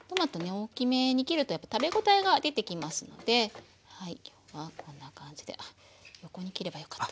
大きめに切るとやっぱ食べ応えが出てきますのではいこんな感じであっ横に切ればよかった。